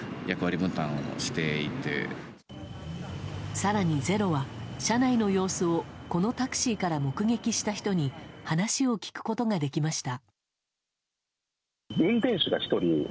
更に「ｚｅｒｏ」は車内の様子をこのタクシーから目撃した人に話を聞くことができました。